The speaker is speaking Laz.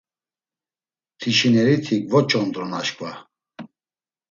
“Tişineriti gvoç̌ondrun aşǩva.